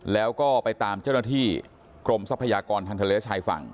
แล้วก็ไปตามเจ้าหน้าที่กรมทรัพยากรทางทะเลชายฝั่ง